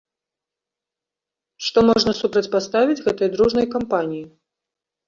Што можна супрацьпаставіць гэтай дружнай кампаніі?